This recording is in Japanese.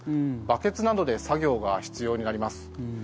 バケツなどで作業が必要になります。